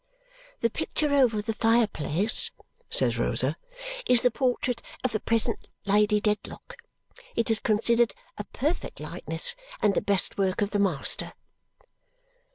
"The picture over the fire place," says Rosa, "is the portrait of the present Lady Dedlock. It is considered a perfect likeness, and the best work of the master."